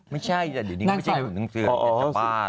ไม่ใช่เดี๋ยวนี้ไม่ใช่ถุงน้ำเกลือเป็นจับป้า